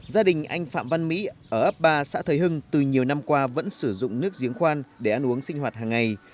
gia đình anh phạm văn mỹ ở ấp ba xã thới hưng từ nhiều năm qua vẫn sử dụng nước giếng khoan để ăn uống sinh hoạt hàng ngày